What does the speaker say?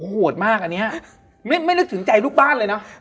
โหดมากอันนี้ไม่นึกถึงใจลูกบ้านเลยเนอะ